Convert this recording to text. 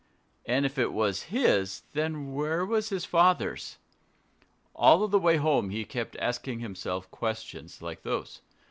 And if it was his, then where was his father's? All the way home he kept asking himself questions like those.